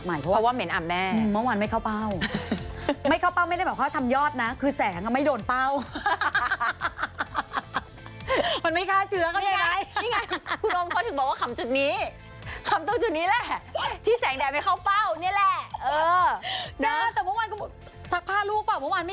เมื่อวานวันนี้ซักใหม่นะแล้วตัดใหม่เพราะว่า